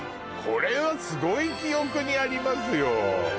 これはすごい記憶にありますよ